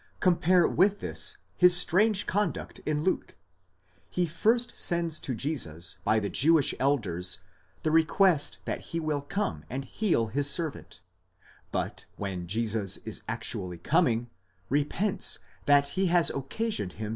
Compare with this his strange conduct in Luke : he first sends to Jesus by the Jewish elders the request that he will come and heal his servant, but when Jesus is actually coming, repents that he has occasioned him.